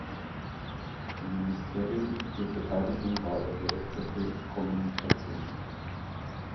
Im Ministerium für Verteidigung war er Direktor für Kommunikation.